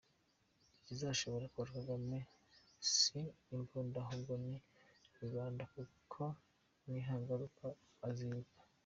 Ikizashobora Paul Kagame si imbunda, ahubwo ni rubanda kuko nihaguruka aziruka